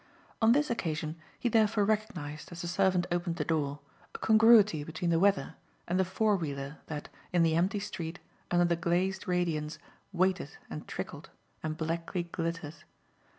On this occasion he therefore recognised as the servant opened the door a congruity between the weather and the "four wheeler" that, in the empty street, under the glazed radiance, waited and trickled and blackly glittered.